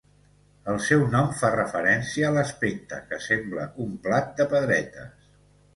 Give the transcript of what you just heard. El seu nom fa referència a l'aspecte, que sembla un plat de pedretes.